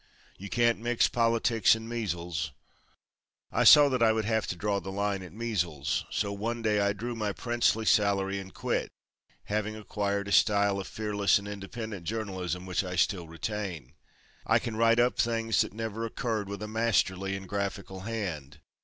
You can't mix politics and measles. I saw that I would have to draw the line at measles. So one day I drew my princely salary and quit, having acquired a style of fearless and independent journalism which I still retain. I can write up things that never occurred with a masterly and graphic hand.